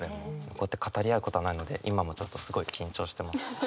こうやって語り合うことはないので今もちょっとすごい緊張してます。